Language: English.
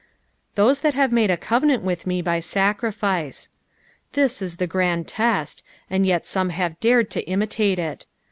"Thote that Aare made a eotenant teith me by taerlfiee ;" this is the grand test, and yet some have dared to imitate it.